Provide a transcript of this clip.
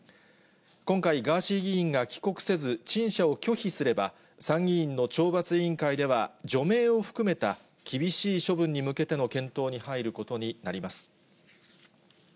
今回、ガーシー議員が帰国せず、陳謝を拒否すれば、参議院の懲罰委員会では、除名を含めた厳しい処分に向けての検討に入ることになります。